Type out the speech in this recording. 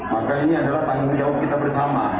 maka ini adalah tanggung jawab kita bersama